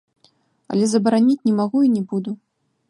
Але забараніць не магу і не буду.